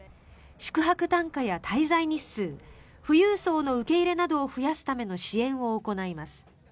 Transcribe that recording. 宿泊単価や滞在日数富裕層の受け入れなどを増やすための支援を行います。